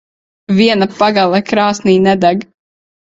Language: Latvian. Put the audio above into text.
Viena pagale krāsnī nedeg.